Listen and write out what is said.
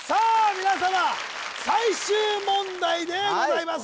皆様最終問題でございます